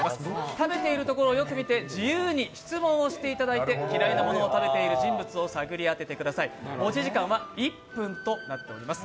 食べているところをよく見て自由に質問していただいて嫌いなものを食べている人物を探り当ててください持ち時間は１分となっています。